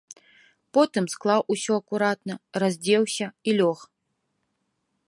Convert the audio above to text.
Потым склаў усё акуратна, раздзеўся і лёг.